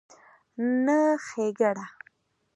نه ښېګړه